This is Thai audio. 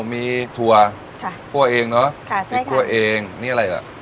มีถั่วค่ะพวกเองเนอะค่ะใช่ค่ะพวกเองนี่อะไรอ่ะอ่า